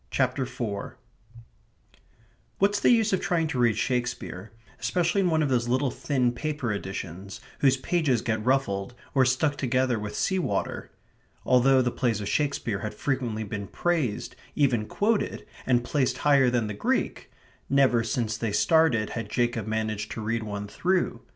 CHAPTER FOUR What's the use of trying to read Shakespeare, especially in one of those little thin paper editions whose pages get ruffled, or stuck together with sea water? Although the plays of Shakespeare had frequently been praised, even quoted, and placed higher than the Greek, never since they started had Jacob managed to read one through.